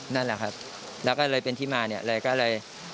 นั่นแหละครับแล้วก็เลยเป็นที่มาเนี่ยเลยก็เลย